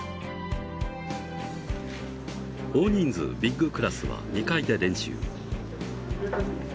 大人数ビッグクラスは２階で練習。